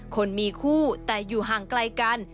คนมีคู่แต่อยู่ห่างไกลกัน